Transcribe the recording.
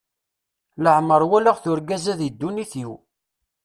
Leɛmeṛ walaɣ-t urgaz-a di ddunit-iw.